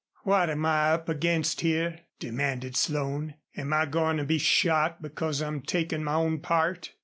"What am I up, against here?" demanded Slone. "Am I goin' to be shot because I'm takin' my own part?